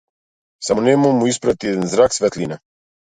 Само нему му испрати еден зрак светлина.